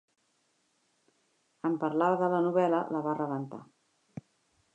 En parlar de la novel·la, la va rebentar.